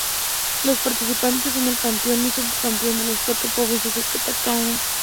Los participantes son el Campeón y Subcampeón de las cuatro Provincias de Tacna.